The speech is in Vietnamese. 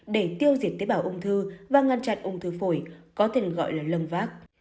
để tiêu diệt tế bào ung thư và ngăn chặn ung thư phổi có thể gọi là lâm vác